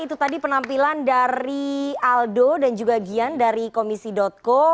itu tadi penampilan dari aldo dan juga gian dari komisi co